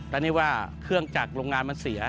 แล้วนี่ว่าเครื่องจักรโรงงานมันเสีย